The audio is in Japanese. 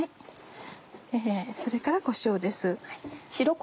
それからこしょうです。